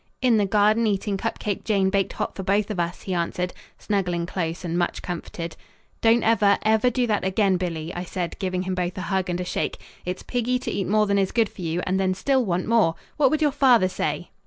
"In the garden eating cup cake Jane baked hot for both of us," he answered, snuggling close and much comforted. "Don't ever, ever do that again, Billy," I said, giving him both a hug and a shake. "It's piggy to eat more than is good for you and then still want more. What would your father say?"